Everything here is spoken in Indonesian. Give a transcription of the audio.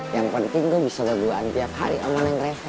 yang penting gue bisa berduaan tiap hari sama neng reva